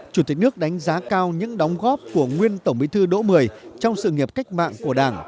chủ tịch nước đánh giá cao những đóng góp của nguyên tổng bí thư đỗ mười trong sự nghiệp cách mạng của đảng